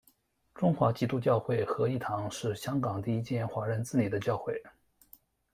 中华基督教会合一堂是香港第一间华人自理的教会。